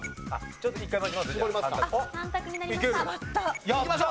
ちょっと一回待ちます？